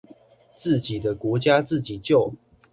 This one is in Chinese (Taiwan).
自己的國家自己救